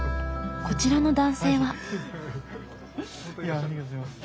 こちらの男性は。